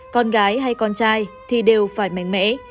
con gái hay con trai thì đều phải mạnh mẽ